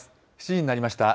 ７時になりました。